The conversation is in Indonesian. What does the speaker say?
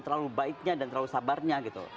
terlalu baiknya dan terlalu sabarnya gitu